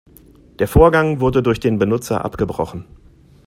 Der Vorgang wurde durch den Benutzer abgebrochen.